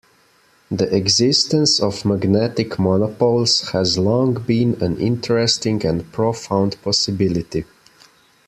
The existence of magnetic monopoles has long been an interesting and profound possibility.